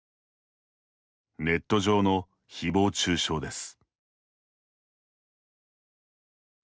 ネット上のひぼう中傷です。